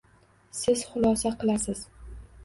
Siz xulosa qilasiz